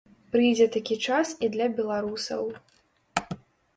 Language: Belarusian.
Прыйдзе такі час і для беларусаў.